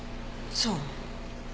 そう。